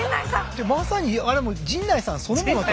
じゃまさにあれはもう陣内さんそのものと。